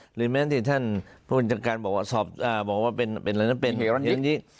หรือแม้ที่ท่านผู้จัดการบอกว่าสอบบอกว่าเป็นอะไรนะเป็นเฮร่อนยิก